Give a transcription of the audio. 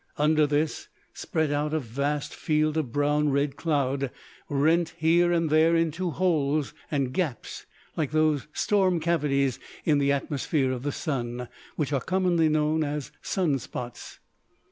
Under this, spread out a vast field of brown red cloud, rent here and there into holes and gaps like those storm cavities in the atmosphere of the Sun, which are commonly known as sun spots.